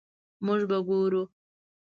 مونږ به ګورو